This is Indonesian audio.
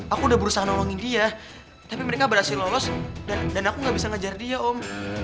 aku udah berusaha nolongin dia tapi mereka berhasil lolos dan aku gak bisa ngejar dia om